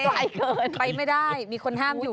ไปเกิดไปไม่ได้มีคนห้ามอยู่